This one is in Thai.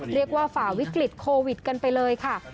เรียกว่าฝ่าวิกฤตโควิดกันไปเลยค่ะ